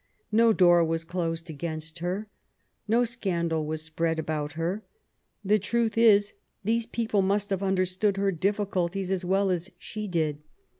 No door was closed against her; no scandal was spread about her. The truth is, these people must have under stood her difficulties as well as she did.